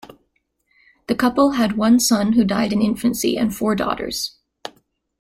The couple had one son who died in infancy and four daughters.